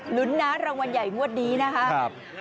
ลุ้นนะรางวัลใหญ่งวดนี้นะครับ